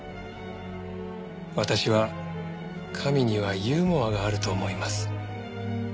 私は神にはユーモアがあると思います。